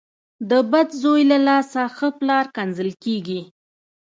د بد زوی له لاسه ښه پلار کنځل کېږي .